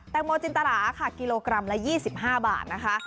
งโมจินตราค่ะกิโลกรัมละ๒๕บาทนะคะ